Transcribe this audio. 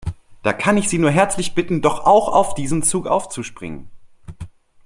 Da kann ich Sie nur herzlich bitten, doch auch auf diesen Zug aufzuspringen.